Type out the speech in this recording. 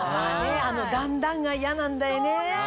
あの段々が嫌なんだよね。